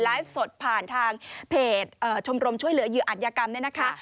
ไลฟ์สดผ่านการเผยชมรมช่วยเหลือยืออันนยกรรมด้วยนะคะ